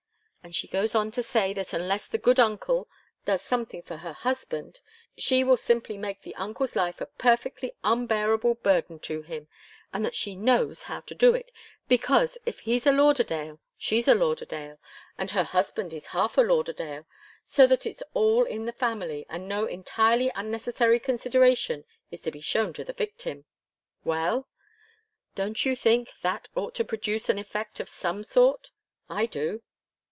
And she goes on to say that unless the good uncle does something for her husband, she will simply make the uncle's life a perfectly unbearable burden to him, and that she knows how to do it, because if he's a Lauderdale, she's a Lauderdale, and her husband is half a Lauderdale, so that it's all in the family, and no entirely unnecessary consideration is to be shown to the victim well? Don't you think that ought to produce an effect of some sort? I do."